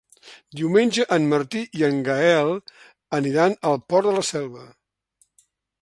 Diumenge en Martí i en Gaël aniran al Port de la Selva.